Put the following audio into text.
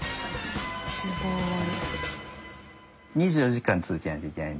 すごい。